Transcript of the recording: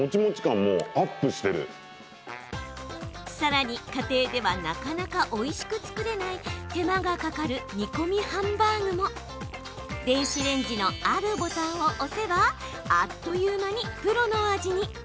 さらに、家庭ではなかなかおいしく作れない手間がかかる煮込みハンバーグも電子レンジのあるボタンを押せばあっという間にプロの味に。